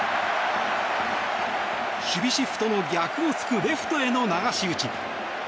守備シフトの逆を突くレフトへの流し打ち。